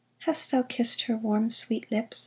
Hast thou kissed her warm, sweet lips